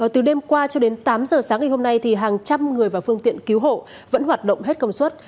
từ đêm qua cho đến tám giờ sáng ngày hôm nay hàng trăm người và phương tiện cứu hộ vẫn hoạt động hết công suất